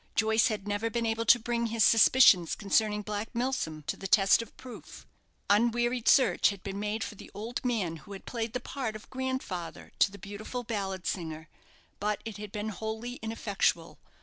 Joyce had never been able to bring his suspicions concerning Black Milsom to the test of proof. Unwearied search had been made for the old man who had played the part of grandfather to the beautiful ballad singer; but it had been wholly ineffectual.